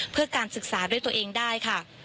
เพื่อการศึกษาด้วยตัวเองได้ค่ะ